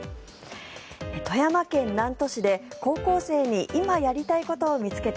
富山県南砺市で高校生に今やりたいことを見つけて